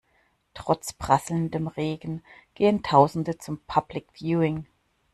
Trotz prasselndem Regen gehen tausende zum Public Viewing.